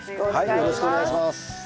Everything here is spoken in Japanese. よろしくお願いします。